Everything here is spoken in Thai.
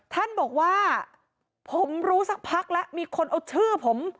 ท่านบอกว่าผมรู้สักพักแล้วมีคนเอาชื่อผม